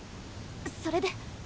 それで？